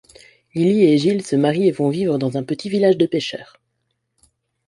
Lily et Eigil se marient et vont vivre dans un petit village de pêcheurs.